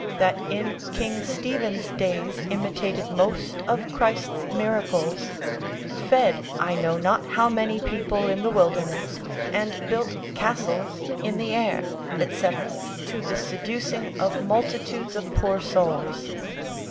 that in King Stephen's days imitated most of Christ's miracles, fed I know not how many people in the wilderness, and built castles in the air, &c., to the seducing of multitudes of poor souls.